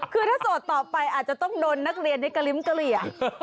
คือถ้าโสดต่อไปอาจจะต้องโดนนักเรียนในกระลิ้มเกลี่ย